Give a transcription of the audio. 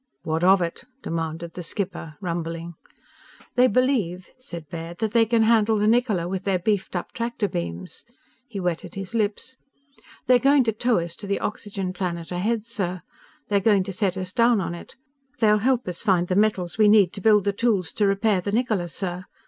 "What of it?" demanded the skipper, rumbling. "They believe," said Baird, "that they can handle the Niccola with their beefed up tractor beams." He wetted his lips. "They're going to tow us to the oxygen planet ahead, sir. They're going to set us down on it. They'll help us find the metals we need to build the tools to repair the Niccola, sir.